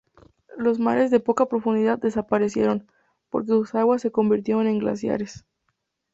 Los mares de poca profundidad desaparecieron, porque sus aguas se convirtieron en glaciares.